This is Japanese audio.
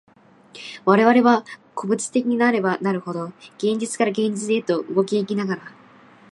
我々は個物的なればなるほど、現実から現実へと動き行きながら、